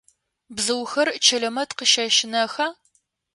Бзыухэр Чэлэмэт къыщэщынэха?